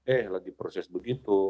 eh lagi proses begitu